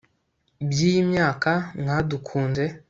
by'iyi myaka mwadukunze